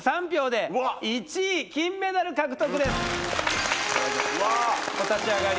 ２３票で１位金メダル獲得ですわあ